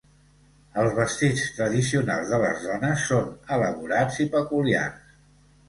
Els vestits tradicionals de les dones són elaborats i peculiars.